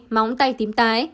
móng tay tím tái